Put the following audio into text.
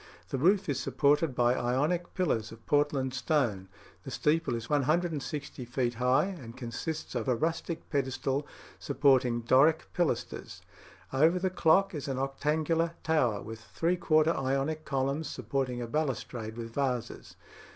The roof is supported by Ionic pillars of Portland stone. The steeple is 160 feet high, and consists of a rustic pedestal supporting Doric pilasters; over the clock is an octangular tower, with three quarter Ionic columns supporting a balustrade with vases.